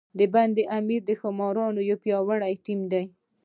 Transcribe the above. د بند امیر ښاماران یو پیاوړی ټیم دی.